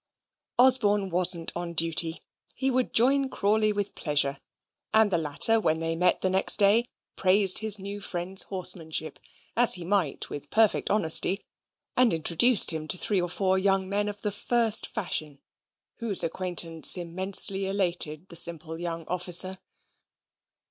Osborne wasn't on duty; he would join Crawley with pleasure: and the latter, when they met the next day, praised his new friend's horsemanship as he might with perfect honesty and introduced him to three or four young men of the first fashion, whose acquaintance immensely elated the simple young officer.